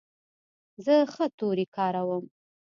زه ښه توري کاروم.